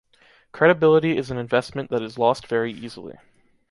Credibility is an investment that is lost very easily.